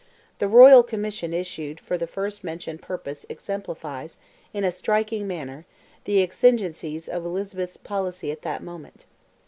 The royal commission issued for the first mentioned purpose exemplifies, in a striking manner, the exigencies of Elizabeth's policy at that moment.